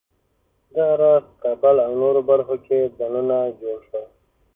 دغه راز په کابل او نورو برخو کې بڼونه جوړ شول.